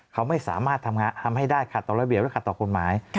เขาไม่สามารถทำให้ได้ขัดต่อระเบียบและขัดต่อกฎหมาย